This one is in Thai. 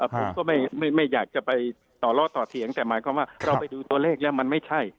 ผมก็ไม่อยากจะไปต่อล้อต่อเถียงแต่หมายความว่าเราไปดูตัวเลขแล้วมันไม่ใช่